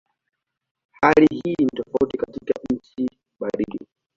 Hali hii ni tofauti katika nchi baridi.